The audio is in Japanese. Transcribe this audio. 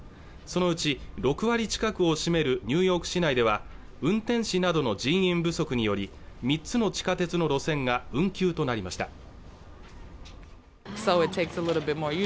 そのうち６割近くを占めるニューヨーク市内では運転士などの人員不足により３つの地下鉄の路線が運休となりました